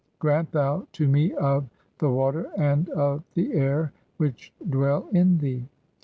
Grant thou "to me of [the water and of] the (2) air which dwell in thee.